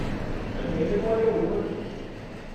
Anda i llan warraw-nwen?